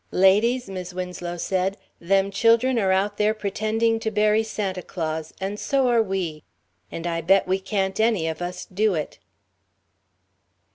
"Ladies," Mis' Winslow said, "them children are out there pretending to bury Santa Claus and so are we. And I bet we can't any of us do it."